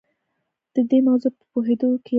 د دې موضوع په پوهېدو کې یوه لاره شته.